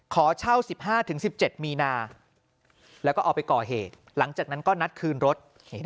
ขอเช่า๑๕๑๗มีนาแล้วก็เอาไปก่อเหตุหลังจากนั้นก็นัดคืนรถ